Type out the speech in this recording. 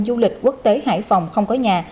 du lịch quốc tế hải phòng không có nhà